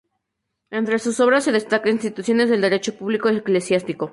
Entre sus obras se destaca "Instituciones del Derecho Público Eclesiástico".